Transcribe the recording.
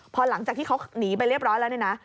พอหลังจากที่เขาหนีไปเรียบร้อยแล้วเนี่ยนะ